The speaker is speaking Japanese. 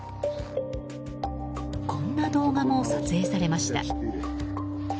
こんな動画も撮影されました。